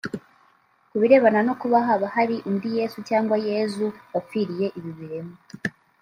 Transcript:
Kubirebana no kuba haba hari undi Yesu/Yezu wapfiriye ibi biremwa